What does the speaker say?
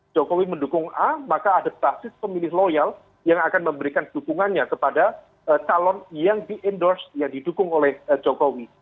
jokowi mendukung a maka ada basis pemilih loyal yang akan memberikan dukungannya kepada calon yang di endorse yang didukung oleh jokowi